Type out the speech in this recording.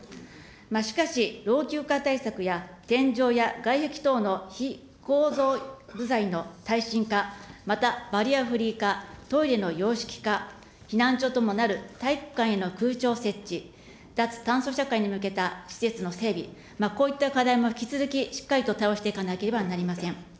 しかし、老朽化対策や天井や外壁等の非構造部材の耐震化、またバリアフリー化、トイレの洋式化、避難所ともなる体育館への空調設置、脱炭素社会に向けた施設の整備、こういった課題も引き続きしっかりと対応していかなければなりません。